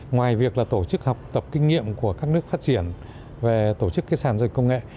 ngoài việc tổ chức học tập kinh nghiệm của các nước phát triển về tổ chức sản giao dịch công nghệ